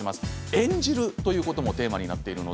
演じるということもテーマになっています。